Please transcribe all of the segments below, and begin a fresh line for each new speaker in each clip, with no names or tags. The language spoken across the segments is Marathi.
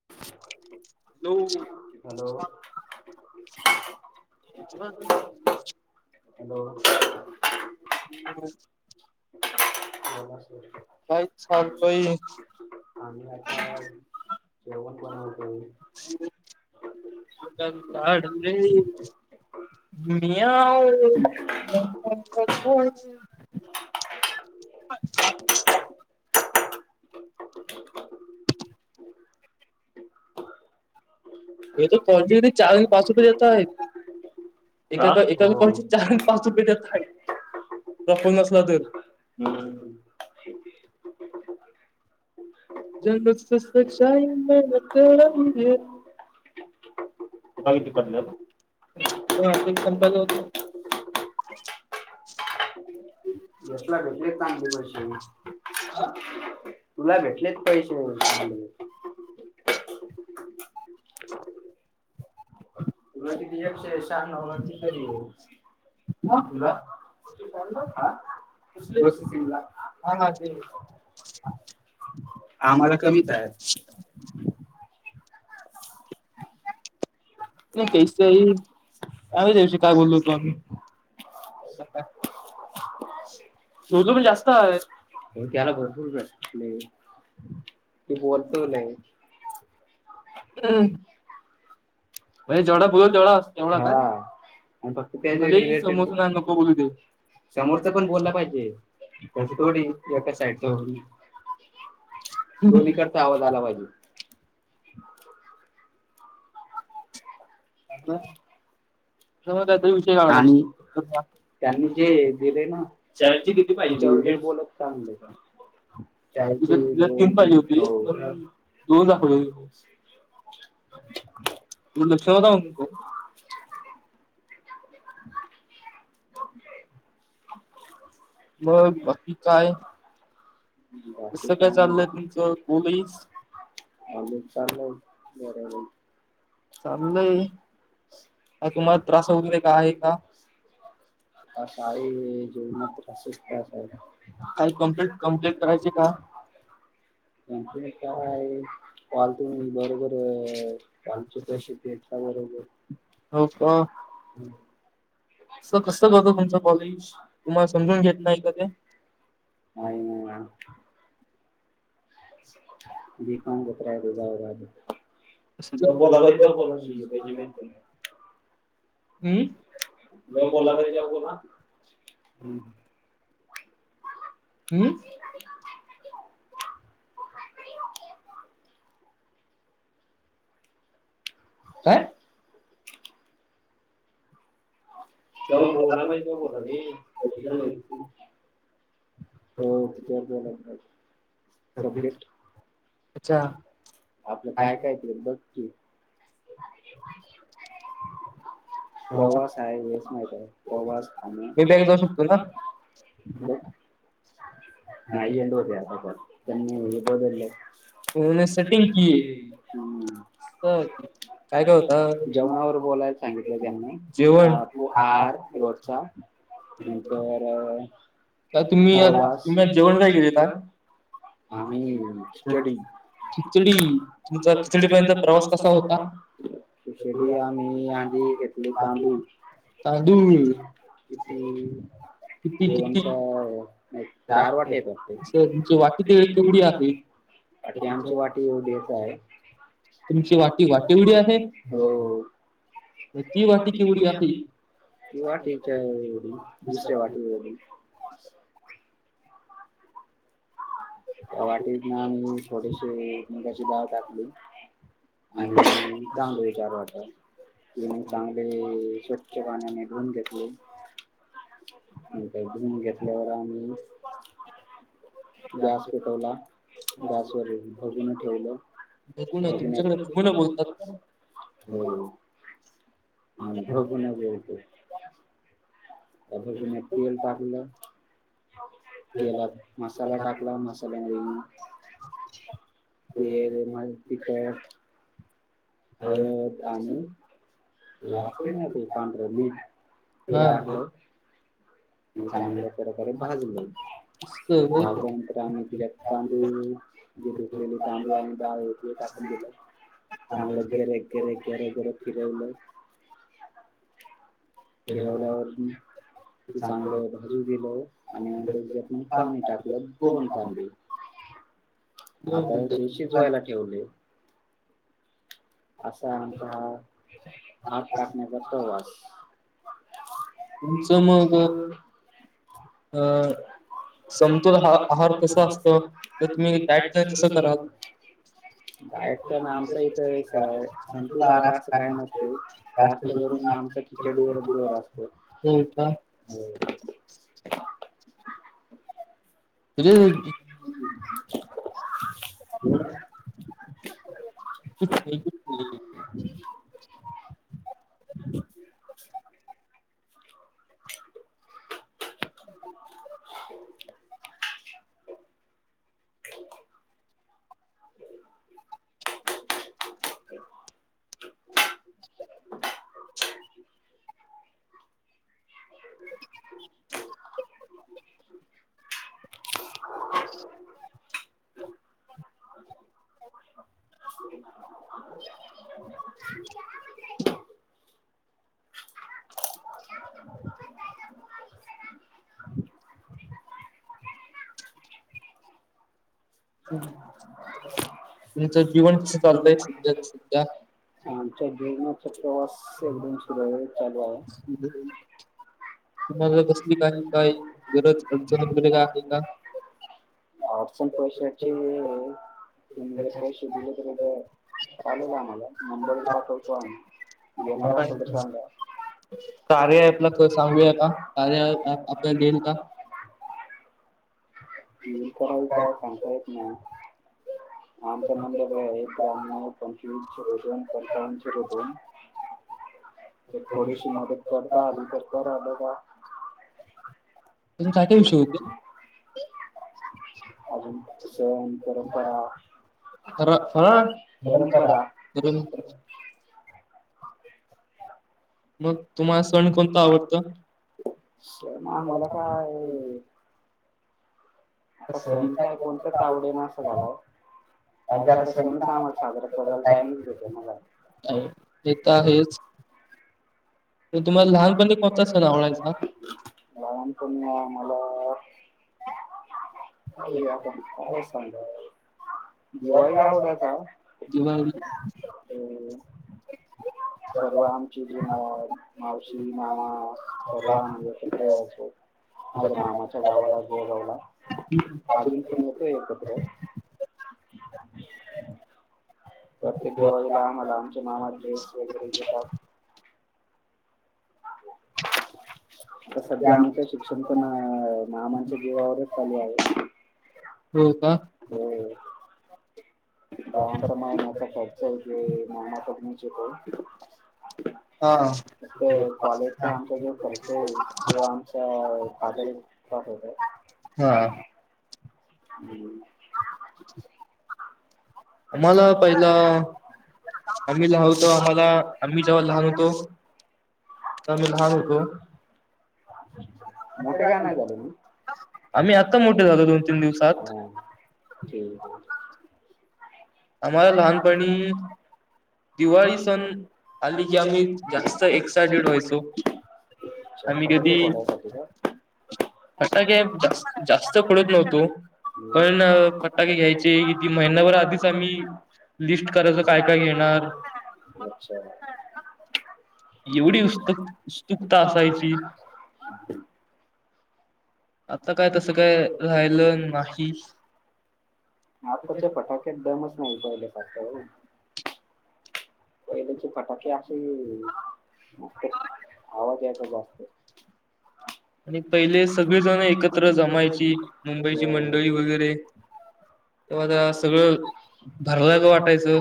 [inaudible]
हॅलो
हॅलो
[inaudible]
बघ आणि आता जेवण बनवते.
[inaudible] [inaudible] [inaudible] हे कॉफ चार पाच रुपये देतो य एक एक कॉलचे चार पाच रुपय देतो हाय [inaudible] [unintelligible] माहिती पडलं अस संपालं होत.
घसला घेटले तांडी मर तुला भेटलेच पैसे तुला किती एकशे शहणो कि तरी हो तुला आ दिसायला हा ते आम्हाला कमीच आहे
नाही कैसे काम जावस काय बोललोतो आम्ही अच
तुर्दुम जास्त आहे त्याला भरपूर भेटते नाही त बोलत हो ना अरे जवढा बोल जवढा असं तेवढ फक्त नको बोलू समोरच पण बोलला पाहिजे त्याच्या थोडी एका साईडच दोन्हीकडता आवाज आला पाहिजे तुमा त्यातले होते का आणि त्यांनी जे दिले ना चारचे किती पाहिजे बोलत चांगलं [inaudible]
[unintelligible]
[unintelligible]
उ शोधम ब बाकी काय
कं काय चालतय तुमचं पोलीस अर चाललाय घोड्या वणी
चाललय का तुमला त्रास वगैरे का आहे का?
आशारी हे जीव मत रसस क काही कमप् कम्प्लीट करायची का. पालत बरोबरल कालचे पैसे देत जा बरोबर. [unintelligible] असं कस करतो तुमच कॉलेज तुम्हाला समजून घेत नाही का ते. [unintelligible] नाही ना [unintelligible] जव बोला पाहिज [unintelligible] हम् जव बोलला पाहिजे तवा बोल हम्म. हम्म. काय? जव बोला भाई ज बोला रें [unintelligible] हो [unintelligible] आपलं काय काय ते बघकी. [unintelligible] प्रवास आहे हेच माहित आहे प्रवास [unintelligible] बाग नाही एंड होत आहे काल त्यांनी हे बदलले. सटिंग की. जेवणावर बोलायला सांगितलं त्यांनी बू आहार रोजचा. म बर. काल तुमी जेवण काय केलेला. खिचडी आचा खिचडीपर्यंत प्रवास कसा होता. शेडी आम्ही आधी घेतली तांदूळ. किती, कोणता. नाही चार वाटी येत्या ते. आमची वाटी येवढ्याच आहे. तुमची वाटी वाटीवडी आहे. ती वाटच्या एवढी दुसऱ्या वाटी एवढी. त्या वाटत ना आम्ही थोडेशी [unintelligible] टाकली. आणि [unintelligible] त चांगले स्वच्छ पाने निघून घेतले. का घेतल्यावर आणि गॅस पेठवला गॅसवर भगून ठेवलं. [unintelligible] बोलत. हो अनभव पण बोलतो. त्यापने तेल टाकलं तेलात मसाला टाकला मसाला नाही. तेे [unintelligible] हळत आणि ते आपे ना ते पांढर मीट ते टाकलो. आणि चांगल्या प्रकारे भाजले, भाजल्यानंतर [unintelligible] तांदूळ जे धुतलेले तांदूळ आणि डाळ ते टाकून दिल. चांगलं घरे घरे घरे घरं फिरवलं. फिरवल्यावर म ते चांगलं भाजू दिलं आणि नंतर जे आपण पाणी टाकलं दोन तांबे.
[inaudible]
आता हे ते शजवायला ठेवले. असा आमचा हा हात टाकण्याचा तवास.
तुमचं मग, अ
समतोल ह आहार कस असतं तर तुम्ही दायट पन कसं कराल. डायट तेन आमच्या इथं संतुल आहार अस काय नसते हो जास्त करून आमचा खिचडी वरच जोर असतो.
हो, का.
हो,
[unintelligible] क [unintelligible]
[unintelligible] [inaudible] [unintelligible]
[unintelligible] [unintelligible]
[unintelligible] तुमच जीवन कस चालतंय. आमच्या जीवणाचा प्रवास एकदम सुरू आहे चालू आहे.
हम् तुम्हाला कसली काही काही गरज अडचण वगैरे आहे का?
अडचन पैसेची आहे तीन हजार पैसे दिलं तर कस चालेल आम्हाला नंबर पाठवतो आम्ही. घेणार असेल तर सांगा आहे आपल्यापशी कार आपल्या [unintelligible] ह्यो कॉल काय सांगता येत नाही. आमचा नंबर आहे त्रण्णव पंचवीस झिरो दोन सत्तावन झीरो दोन
ह
थोडीशी मदत करता आली तर का आलं का.
तुम्ही काय काय विषय होते.
अजून सण, परंपरा ह परंपरा मग तुम्हाला सण कोणता आवडत सर आम्हाला काय, आता सण काय कोणतं त आवडे ना असं झालाय. काय की आता सणच आम्हाला साजरा करायला टाईमच भेटत नाही मला
ते तर आहेच
लहानपणी कोणता सण आवडायचा? लहानपणी आम्हाला काय सांगायचं दिवाळी आवडायचा. सर्व आमची जुनाट मावशी मामा परवा आम्ही तिकड यायचो माझ्या मामा च्या गावाला बोरगावला अजून पण येतोय एकत्र [unintelligible] प्रत्येक दिवाळीला आम्हाला आमच्या मामा ड्रेस वगैरे घेतात. आता सध्या आमचं शिक्षण पण मामाणच्या जीवावरच चालू आहे.
हो, का.
होय गावांचा महिनाचा खर्च आहे. मामा कडे शिकलो. कॉलेजचा आमचा जो खर्च आहे तो आम त्या फादर पास होत.
हा
हम् हा ना पहिला आम्ही जेव्हा नव्हतो. आम्हाला आम्ही जेव्हा होतो, अग भारत मोठे काय नाही झालो. मी आही आता मोठे झालो ठीक आहे. अ लहान पणी. दिवाळी सण आली की आम्ही एसाटेड असतो. अच चक बडय का [unintelligible]
[inaudible] फटाके जात जास्त फोडत नव्हतो पण फटाके घ्यायचे किती महिना्भर आधीच.
कयच काय काय घेणारच्. इ उृपत असायती ना. आता काय कुसं का रा बा आहत्ताच्या पटाक डमच नाही पाहिलेसत हो वैल्याचे फटाके असे मस्त आवाज याचा जास्त.
आणि पहिले सगळीजण एकत्र जमायची मुंबईची मंडळी वगैरे. तेव्हा सगळं भरला ग वाटायचं.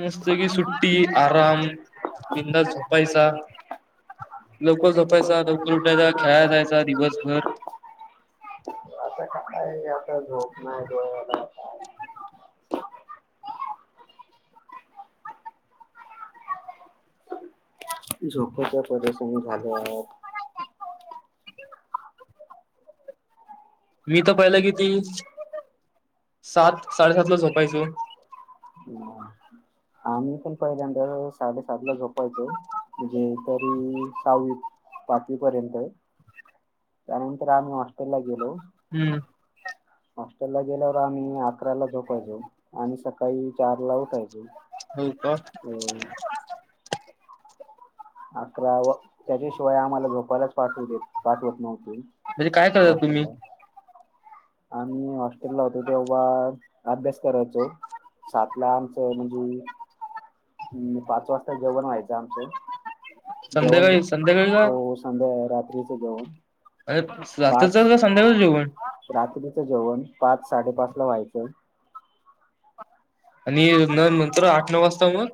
मस्त कि सुट्टी आराम बिदाास झोपायचा. लवकर जोपायच लवकर उठायच खेळायला जायचा दिवसभर.
असं का काय असता झोप नाही ोळ झोपच्या परीशनी झाल आहे. ती त पहिले की ती सात साार द लो होतेे ह आ म् पण पहिल्यांदर. साडेसात ला झोपायचं म्हणजे तरी सहावी पाचवी पर्यंत.
ह.
त्यानंतर आम्ही हॉस्टेल ला गेलो. हॉस्टेल ला गेल्यावर आम्ही अकराला झोपायचो. आणि सकाळी चार ला उठायचे. अकरा व त्याच्याशिवाय आम्हाला झोपालाच पाठव देत पाठवत नव्हती. हॉस्टेल ला आम्ही हॉस्टेल ला होतो तेव्हा. अभ्यास करायचो सात ला आमचं म्हणजे हम् पाच वाजता जेवण व्हायचं आमचं. जेवण हो संध्या रात्रीच जेवण. पाच रात्रीचं जेवण पाच साडेपाच ला व्हायचं.
[unintelligible] आणि न नंतर आठ नऊ वाजता मग.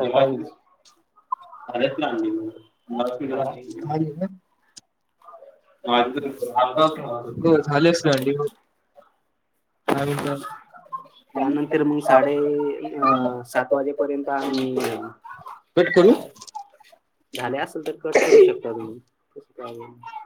व्हा्याच झालेच ना अ दहा मिनिटं.
त्यानंतर मग साडे अं सात वाजेपर्यंत आणि म. झाले असेल तर कट करू शकता तुम्ही कस